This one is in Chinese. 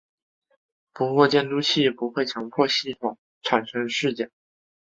不过监督器不会强迫系统产生事件。